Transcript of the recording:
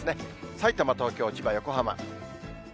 さいたま、東京、千葉、横浜。